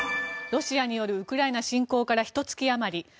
ロシアによるウクライナ侵攻からひと月あまり。